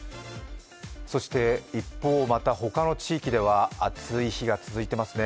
そして一方、ほかの地域では暑い日が続いていますね。